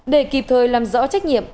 để kịp thời làm rõ trách nhiệm